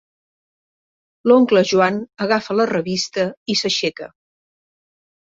L'oncle Joan agafa la revista i s'aixeca.